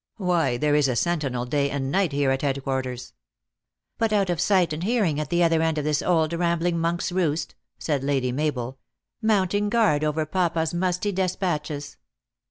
Why, there is a sentinel day and night here at headquarters." "But out of sight and hearing at the other end of this old rambling monk s roost," said Lady Mabel, "mounting guard over papa s musty despatches."